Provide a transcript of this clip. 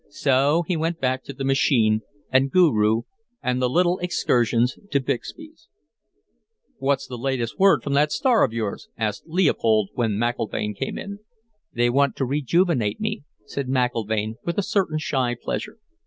So he went back to the machine and Guru and the little excursions to Bixby's...." "What's the latest word from that star of yours?" asked Leopold, when McIlvaine came in. "They want to rejuvenate me," said McIlvaine, with a certain shy pleasure.